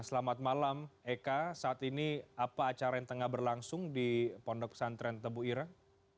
selamat malam eka saat ini apa acara yang tengah berlangsung di pondok pesantren tebu ireng